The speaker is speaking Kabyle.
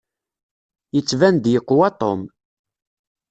Yettban-d yeqwa Tom.